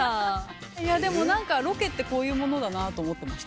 でも何かロケってこういうものだなと思ってました。